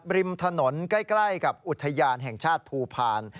ริมถนนใกล้กับอุทยานแห่งชาติภูพาล